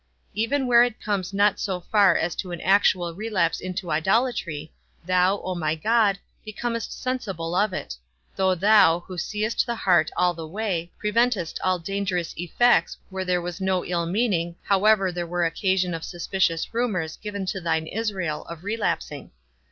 Even where it comes not so far as to an actual relapse into idolatry, thou, O my God, becomest sensible of it; though thou, who seest the heart all the way, preventest all dangerous effects where there was no ill meaning, however there were occasion of suspicious rumours given to thine Israel of relapsing.